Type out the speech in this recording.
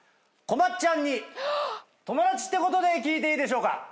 こまっちゃんに友達ってことで聞いていいでしょうか？